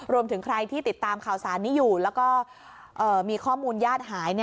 รวมถึงใครที่ติดตามข่าวสารนี้อยู่แล้วก็มีข้อมูลญาติหาย